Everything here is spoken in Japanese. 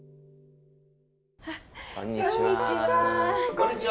こんにちは。